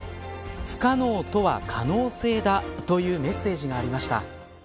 新田選手の手元には不可能とは可能性だというメッセージがありました。